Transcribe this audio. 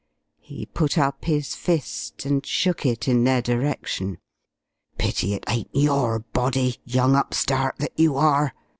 He put up his fist and shook it in their direction. "Pity it ain't your body, young upstart that you are!"